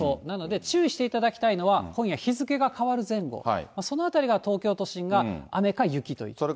なので、注意していただきたいのは、今夜、日付が変わる前後、そのあたりが東京都心が雨か雪という。